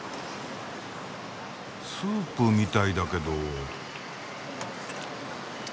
スープみたいだけど。